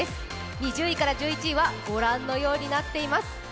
２０位から１１位はご覧のようになっています。